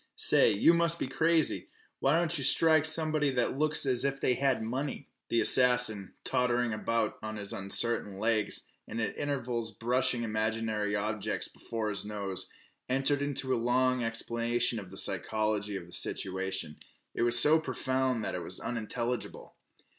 "Say, you must be crazy! Why don't yeh strike somebody that looks as if they had money?" The assassin, tottering about on his uncertain legs, and at intervals brushing imaginary obstacles from before his nose, entered into a long explanation of the psychology of the situation. It was so profound that it was unintelligible.